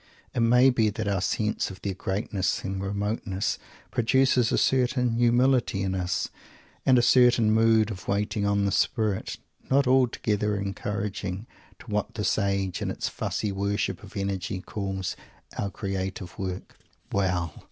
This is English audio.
It may be that our sense of their greatness and remoteness produces a certain "humility" in us, and a certain mood of "waiting on the Spirit," not altogether encouraging to what this age, in its fussy worship of energy, calls "our creative work." Well!